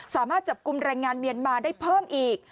สามารถจับกลุ่มแรงงานเมียนมาได้เพิ่มอีก